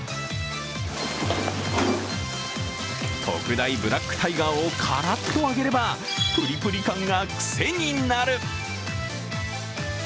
特大ブラックタイガーをカラッと揚げればプリプリ感がクセになる。